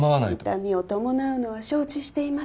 痛みを伴うのは承知しています